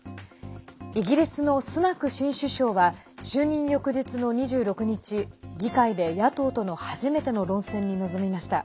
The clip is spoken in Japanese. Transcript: イギリスのスナク新首相は就任翌日の２６日議会で野党との初めての論戦に臨みました。